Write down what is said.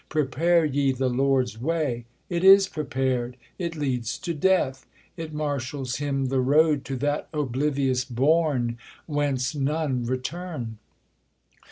Prepare ye the Lord's way !" It is prepar'd ; It leads to death ; it marshals him the road To that oblivious bourac, whence none return.